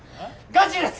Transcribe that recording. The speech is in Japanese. ガチです！